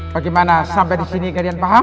bagaimana sampai di sini kalian paham